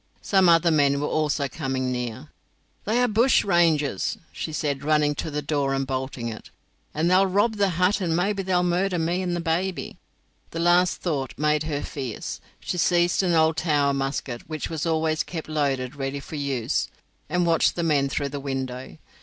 Some other men were also coming near. "They are bushrangers," she said running to the door and bolting it, "and they'll rob the hut and maybe they'll murder me and the baby." That last thought made her fierce. She seized an old Tower musket, which was always kept loaded ready for use, and watched the men through the window.